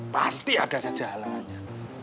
pasti ada saja alamannya